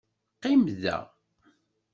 Qqim da.